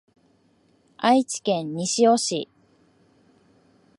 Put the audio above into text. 愛知県西尾市